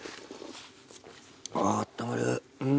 あーあったまる。